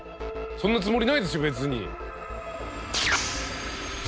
そんなつもりないですよ別に。